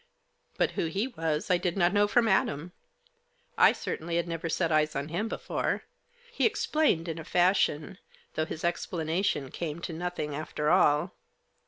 But who he was I did not know from Adam. I certainly had never set eyes on him before. He explained, in a fashion ; though his explanation came to nothing, after all.